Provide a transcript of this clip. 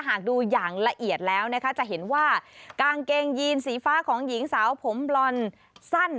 หากดูอย่างละเอียดแล้วนะคะจะเห็นว่ากางเกงยีนสีฟ้าของหญิงสาวผมบลอนสั้น